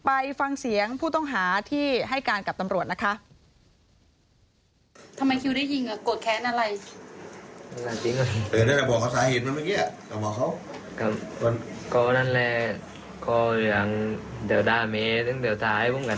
ไปฟังเสียงผู้ต้องหาที่ให้การกับตำรวจนะคะ